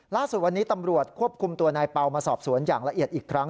ล่าสุดวันนี้ตำรวจควบคุมตัวนายเปล่ามาสอบสวนอย่างละเอียดอีกครั้ง